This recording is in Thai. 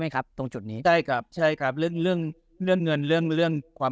ครับตรงจุดนี้ได้ครับใช่ครับเรื่องเรื่องเรื่องเงินเรื่องเรื่องความ